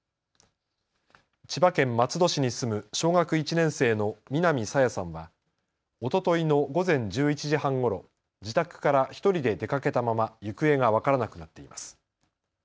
千葉県松戸市に住む小学１年生の南朝芽さんはおとといの午前１１時半ごろ自宅から１人で出かけたまま行方が分からなくなっています。